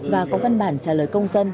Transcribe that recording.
và có văn bản trả lời công dân